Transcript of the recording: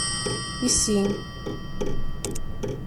Issin.